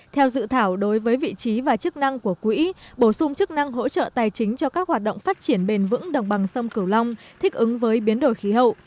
theo dự thảo đối với vị trí và chức năng của quỹ bổ sung chức năng hỗ trợ tài chính cho các hoạt động phát triển bền vững đồng bằng sông cửu long thích ứng với biến đổi khí hậu